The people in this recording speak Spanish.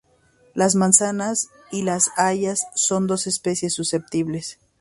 Las manzanas y las hayas son dos especies susceptibles.